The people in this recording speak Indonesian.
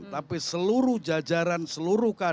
tapi seluruh jajaran seluruh kader